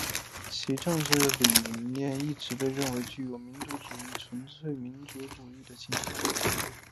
其政治理念一直被认为具有民族主义及民粹主义的倾向。